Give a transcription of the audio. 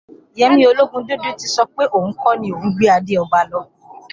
Yẹmí Ológundúdú ti sọ pé òun kọ́ ni òun gbé adé ọba lọ